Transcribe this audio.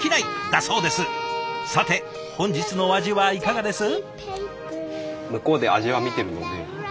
さて本日のお味はいかがです？